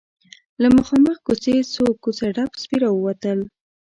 له مخامخ کوڅې څو کوڅه ډب سپي راووتل.